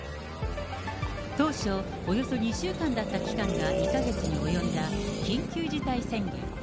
当初、およそ２週間だった期間が２か月に及んだ緊急事態宣言。